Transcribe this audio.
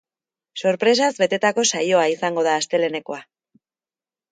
Sorpresaz betetako saioa izango da astelehenekoa.